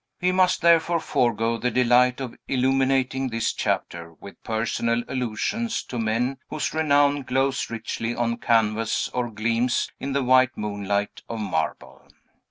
We must therefore forego the delight of illuminating this chapter with personal allusions to men whose renown glows richly on canvas, or gleams in the white moonlight of marble.